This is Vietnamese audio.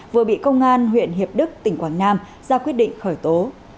vừa bị công an huyện hiệp đức tỉnh quảng nam ra quyết định khởi tố